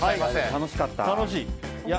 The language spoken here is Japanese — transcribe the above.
楽しかった。